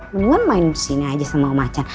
mendingan main di sini aja sama om acan